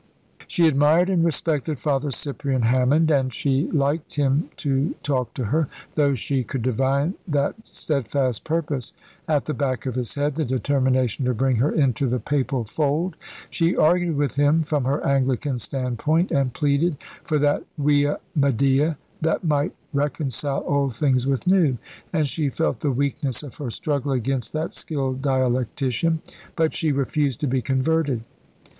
She admired and respected Father Cyprian Hammond, and she liked him to talk to her, though she could divine that steadfast purpose at the back of his head, the determination to bring her into the Papal fold. She argued with him from her Anglican standpoint, and pleaded for that via media that might reconcile old things with new; and she felt the weakness of her struggle against that skilled dialectician; but she refused to be converted.